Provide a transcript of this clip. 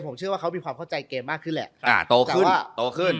ผมเชื่อว่าเขามีความเข้าใจเกมมากขึ้นแหละอ่าโตขึ้นโตขึ้น